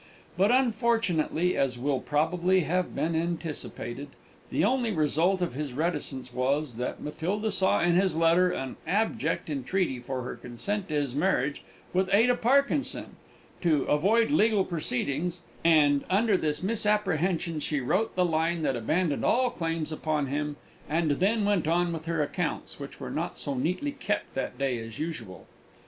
But, unfortunately, as will probably have been already anticipated, the only result of this reticence was, that Matilda saw in his letter an abject entreaty for her consent to his marriage with Ada Parkinson, to avoid legal proceedings, and, under this misapprehension, she wrote the line that abandoned all claims upon him, and then went on with her accounts, which were not so neatly kept that day as usual.